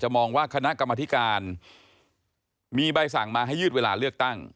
มองว่าคณะกรรมธิการมีใบสั่งมาให้ยืดเวลาเลือกตั้ง